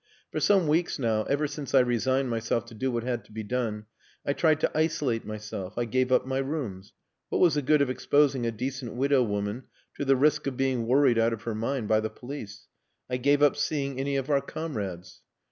For some weeks now, ever since I resigned myself to do what had to be done, I tried to isolate myself. I gave up my rooms. What was the good of exposing a decent widow woman to the risk of being worried out of her mind by the police? I gave up seeing any of our comrades...."